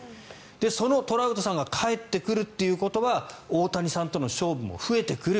そのトラウトさんが帰ってくるということは大谷さんとの勝負も増えてくる。